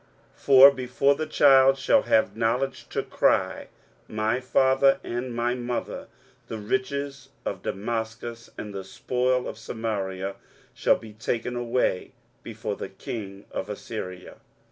23:008:004 For before the child shall have knowledge to cry, My father, and my mother, the riches of Damascus and the spoil of Samaria shall be taken away before the king of Assyria.